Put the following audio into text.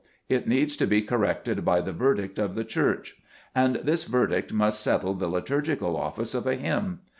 It needs to be corrected by the verdict of the Church. And this verdict must settle the liturgical office of a hymn.